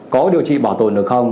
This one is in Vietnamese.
có điều trị bảo tồn được không